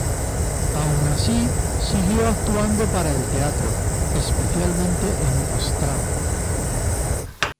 Aun así, siguió actuando para el teatro, especialmente en Ostrava.